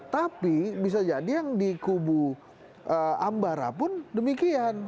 tapi bisa jadi yang di kubu ambara pun demikian